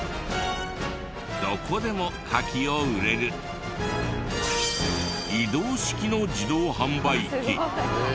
どこでもカキを売れる移動式の自動販売機。